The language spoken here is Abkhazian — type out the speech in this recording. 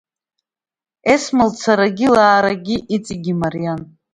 Есма лцарагьы-лаарагьы иҵегь имариан.